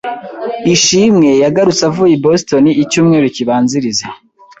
Ishimwe yagarutse avuye i Boston icyumweru kibanziriza.